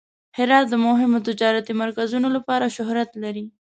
هرات د مهمو تجارتي مرکزونو لپاره شهرت لري.